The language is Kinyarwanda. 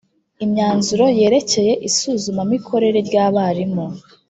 imyanzuro yerekeye isuzumamikorere ry abarimu